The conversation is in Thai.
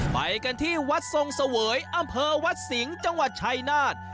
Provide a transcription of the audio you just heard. ไปกันที่วัดทรงเสวยอำเภอวัดสิงห์จังหวัดชายนาฏ